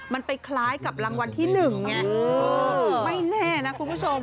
มันไปคล้ายกับรางวัลที่๑ไงไม่แน่นะคุณผู้ชม